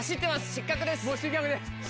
失格です。